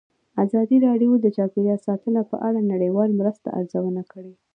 ازادي راډیو د چاپیریال ساتنه په اړه د نړیوالو مرستو ارزونه کړې.